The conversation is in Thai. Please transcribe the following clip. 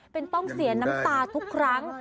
เป็นต้องเสียน้ำตาทุกครั้ง